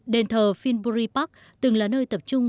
đền thờ finbury park từng là nơi tập trung